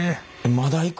まだいく？